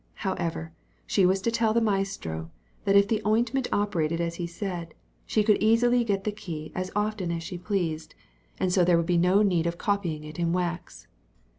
However, she was to tell the maestro, that if the ointment operated as he said, she could easily get the key as often as she pleased, and so there would be no need of copying it in wax.